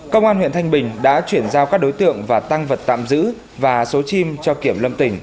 công an huyện thanh bình đã chuyển giao các đối tượng và tăng vật tạm giữ và số chim cho kiểm lâm tỉnh